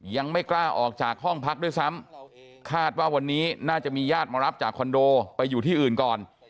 ยังไม่กล้าออกจากห้องพักด้วยซ้ำคาดว่าวันนี้น่าจะมีญาติมารับจากคอนโดไปอยู่ที่อื่นก่อน